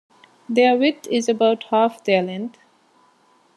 Their width is about half their length.